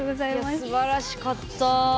すばらしかった。